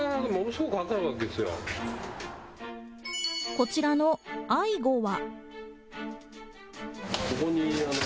こちらのアイゴは。